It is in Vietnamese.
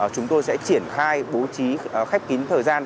chúng tôi sẽ triển khai bố trí khép kín thời gian